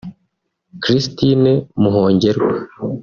Christine Muhongerwa